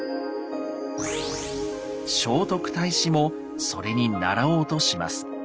聖徳太子もそれに倣おうとします。